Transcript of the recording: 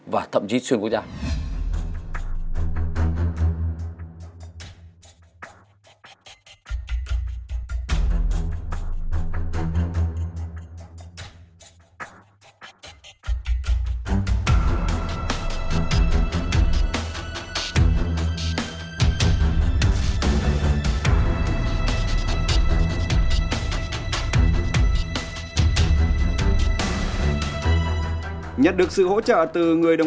và thậm chí xuyên quốc gia